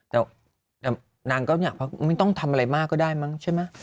แต่ว่านางก็อยากไม่ต้องทำอะไรมากก็ได้มั้งใช่มั้ย